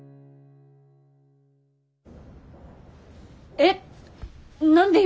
えっ何で今？